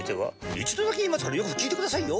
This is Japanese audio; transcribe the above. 一度だけ言いますからよく聞いてくださいよ。